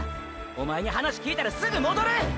おまえに話聞いたらすぐ戻る！！